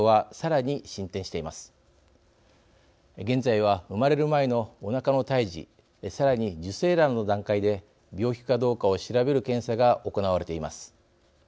現在は生まれる前のおなかの胎児さらに受精卵の段階で病気かどうかを調べる検査が行われています。